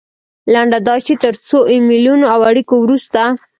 لنډه دا چې تر څو ایمیلونو او اړیکو وروسته.